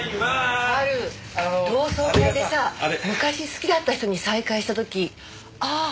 同窓会でさ昔好きだった人に再会した時あっ